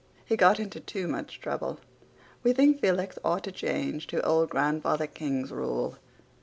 He got into too much trouble. We think Felix ought to change to old Grandfather King's rule.